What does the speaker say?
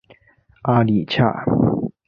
阿里恰。